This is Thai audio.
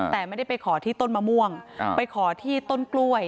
แต่ไม่ได้ไปขอที่ต้นมะม่วงไปขอที่ต้นกล้วย